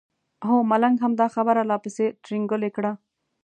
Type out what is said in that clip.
هو ملنګ هم دا خبره لا پسې ترینګلې کړه.